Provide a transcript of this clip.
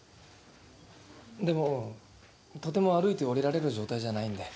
でもとても歩いて下りられる状態じゃないんで。